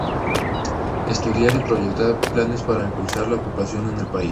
Estudiar y proyectar planes para impulsar la ocupación en el país.